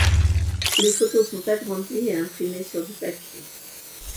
Les photos sont agrandies et imprimées sur du papier.